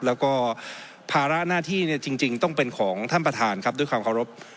แล้วก็ภาระหน้าที่เนี่ยจริงต้องเป็นของท่านประธานครับด้วยความเคารพ